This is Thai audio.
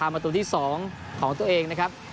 มาตัวที่๒ของตัวเองนะครับ